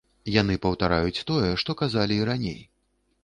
Яны паўтараюць тое, што казалі і раней.